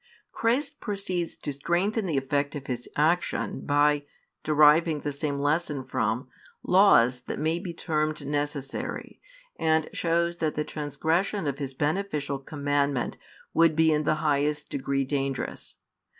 Christ proceeds to strengthen the effect of His action by [deriving the same lesson from] laws that may be termed necessary, and shows that the transgression of His beneficial commandment would be in the highest degree dangerous.